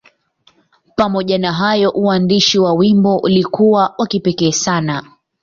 Pamoja na hayo, uandishi wa wimbo ulikuwa wa kipekee sana.